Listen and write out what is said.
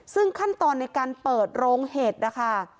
ซึ่งขั้นตอนในการเปิดโรงเห็ดนะคะ